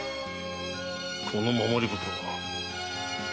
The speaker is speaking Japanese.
この守り袋は。